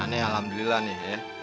ini alhamdulillah nih ya